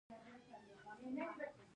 زه پوهنتون ته وختي ورځم.